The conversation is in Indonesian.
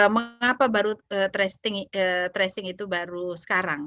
mengapa baru tracing itu baru sekarang